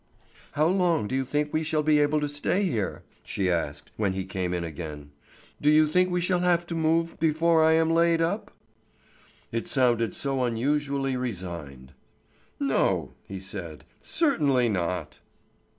"How long do you think we shall be able to stay here?" she asked, when he came in again. "Do you think we shall have to move before I am laid up?" It sounded so unusually resigned. "No," he said; "certainly not."